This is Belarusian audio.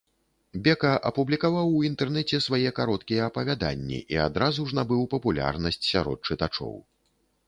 Бека апублікаваў у інтэрнэце свае кароткія апавяданні і адразу ж набыў папулярнасць сярод чытачоў.